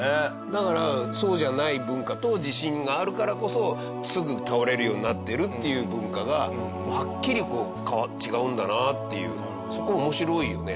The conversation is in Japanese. だからそうじゃない文化と地震があるからこそすぐ倒れるようになってるっていう文化がはっきり違うんだなっていうそこ面白いよね